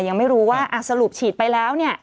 ยังไม่รู้ว่าสรุปฉีดไปแล้วเนี่ย